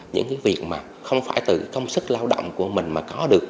những cái việc mà không phải từ công sức lao động của mình mà có được